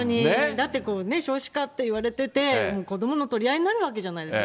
だって少子化っていわれてて、子どもの取り合いになるわけじゃないですか。